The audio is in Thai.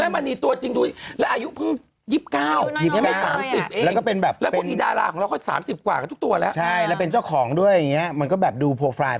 ไม่ตัวจริงเค้าดูเป็นวัยรุ่นเลย